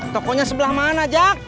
tokonya sebelah mana jak